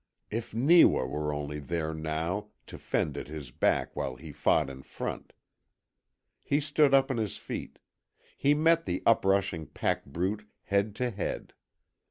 If Neewa were only there now, to fend at his back while he fought in front! He stood up on his feet. He met the up rushing pack brute head to head.